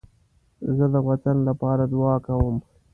زه د وطن لپاره دعا کوم